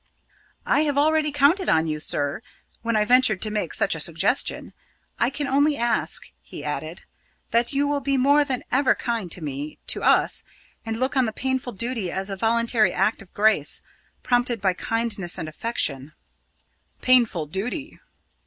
"I have already counted on you, sir, when I ventured to make such a suggestion. I can only ask," he added, "that you will be more than ever kind to me to us and look on the painful duty as a voluntary act of grace, prompted by kindness and affection." "Painful duty!"